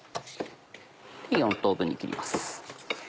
４等分に切ります。